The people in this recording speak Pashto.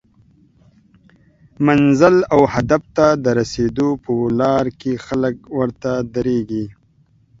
منزل او هدف ته د رسیدو په لار کې خلک ورته دریږي